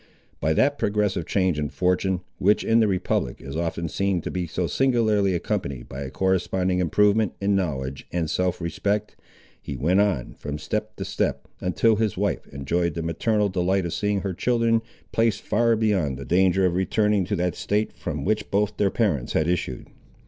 By that progressive change in fortune, which in the republic is often seen to be so singularly accompanied by a corresponding improvement in knowledge and self respect, he went on, from step to step, until his wife enjoyed the maternal delight of seeing her children placed far beyond the danger of returning to that state from which both their parents had issued.